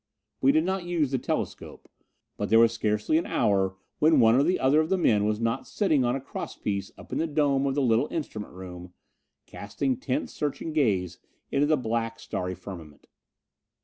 We did not use the telescope, but there was scarcely an hour when one or the other of the men was not sitting on a cross piece up in the dome of the little instrument room, casting tense searching gaze into the black, starry firmament.